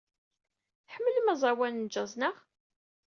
Tḥemmlemt aẓawan n jazz, naɣ?